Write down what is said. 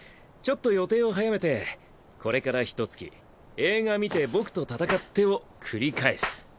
ちょっと予定を早めてこれからひと月映画見て僕と戦ってを繰り返す。